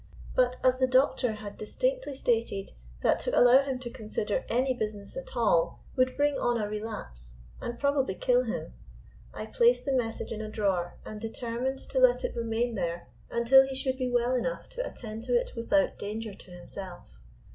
But as the doctor had distinctly stated that to allow him to consider any business at all would bring on a relapse and probably kill him, I placed the message in a drawer, and determined to let it remain there until he should be well enough to attend to it without danger to himself.